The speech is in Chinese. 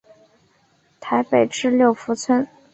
台北至六福村。